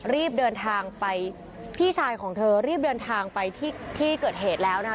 รีบเดินทางไปพี่ชายของเธอรีบเดินทางไปที่ที่เกิดเหตุแล้วนะคะ